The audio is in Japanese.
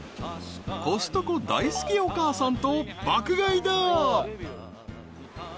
［コストコ大好きお母さんと爆買いだ］